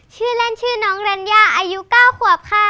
ชื่อเล่นชื่อน้องรัญญาอายุ๙ขวบค่ะ